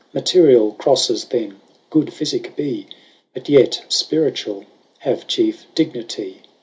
Materiall Crofles then, good phyficke bee, 25 But yet fpirituall have chiefe dignity.